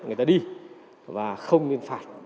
người ta đi và không liên phạt